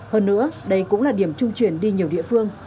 hơn nữa đây cũng là điểm trung chuyển đi nhiều địa phương